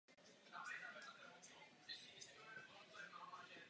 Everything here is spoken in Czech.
Další změny profesionální kariéry pedagogů tak nejsou zahrnuty.